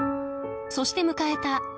そして迎えた